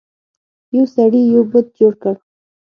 یو سړي یو بت جوړ کړ.